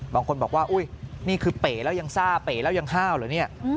บางคนบอกว่าอุ๊ยนี่คือเป๋แล้วยังซ่าเป๋แล้วยังห้าวเหรอเนี่ย